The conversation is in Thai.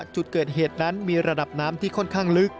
จุดเกิดเหตุนั้นมีระดับน้ำที่ค่อนข้างลึก